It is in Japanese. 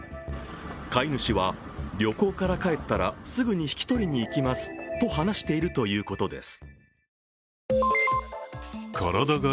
飼い主は、旅行から帰ったらすぐに引き取りにいきますと話しているということです。